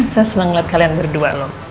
saya senang banget kalian berdua loh